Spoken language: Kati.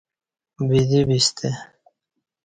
بدی بیستہ